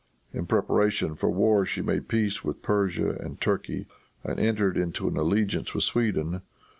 In preparation for war she made peace with Persia and Turkey, and entered into an alliance with Sweden.